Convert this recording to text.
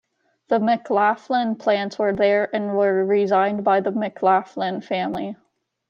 The McLaughlin plants were there and were resigned by the McLaughlin Family.